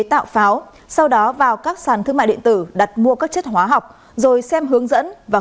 tạo pháo sau đó vào các sàn thương mại điện tử đặt mua các chất hóa học rồi xem hướng dẫn và